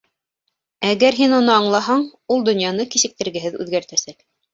Әгәр һин уны аңлаһаң, ул донъяны кисектергеһеҙ үҙгәртәсәк.